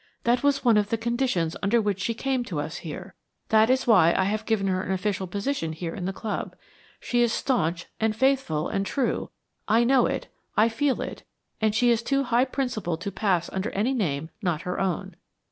That was one of the conditions under which she came to us here that is why I have given her an official position here in the Club. She is staunch and faithful and true; I know it, I feel it; and she is too high principled to pass under any name not her own.